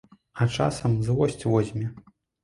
А часам злосць возьме.